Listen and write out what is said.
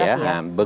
ya administrasi ya